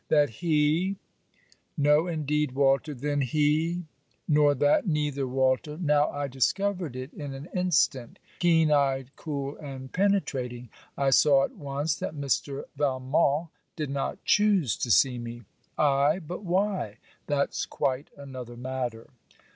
'That he .' No indeed, Walter. 'Then he .' Nor that neither, Walter. Now I discovered it in an instant: keen eyed, cool and penetrating, I saw at once that Mr. Valmont did not choose to see me. 'Ay: but why?' That's quite another matter.